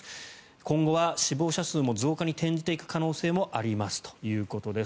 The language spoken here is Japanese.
今後は死亡者数も増加に転じていく可能性もありますということです。